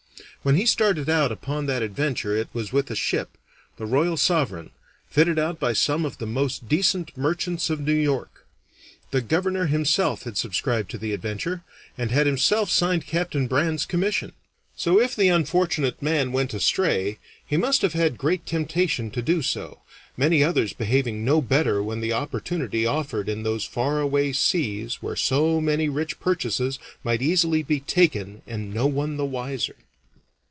When he started out upon that adventure it was with a ship, the Royal Sovereign, fitted out by some of the most decent merchants of New York. The governor himself had subscribed to the adventure, and had himself signed Captain Brand's commission. So, if the unfortunate man went astray, he must have had great temptation to do so, many others behaving no better when the opportunity offered in those far away seas where so many rich purchases might very easily be taken and no one the wiser.